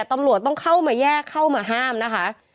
ตำรวจต้องเข้ามาแยกเข้ามาห้ามนะคะ